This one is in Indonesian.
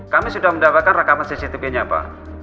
kami sudah mendapatkan rekaman cctv nya pak